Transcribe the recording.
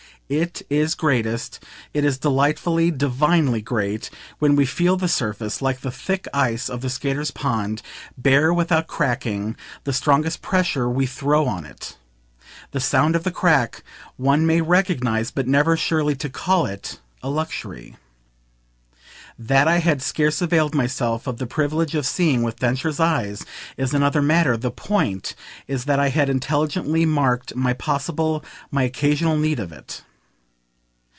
It is greatest, it is delightfully, divinely great, when we feel the surface, like the thick ice of the skater's pond, bear without cracking the strongest pressure we throw on it. The sound of the crack one may recognise, but never surely to call it a luxury.) That I had scarce availed myself of the privilege of seeing with Densher's eyes is another matter; the point is that I had intelligently marked my possible, my occasional need of it.